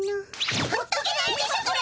ほっとけないでしょこれ！